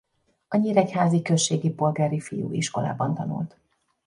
A nyíregyházi községi polgári fiúiskolában tanult.